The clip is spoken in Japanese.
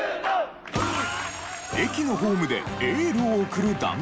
駅のホームでエールを送る団体が。